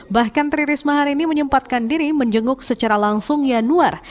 bahkan tri risma hari ini menyempatkan diri menjenguk secara langsung yanuar